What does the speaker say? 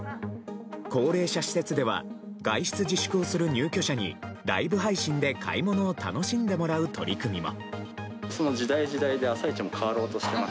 高齢者施設では外出自粛をする入居者にライブ配信で買い物を楽しんでもらう取り組みも。